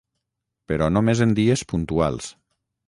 però només en dies puntuals